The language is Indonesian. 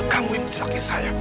kamu yang menjelakai saya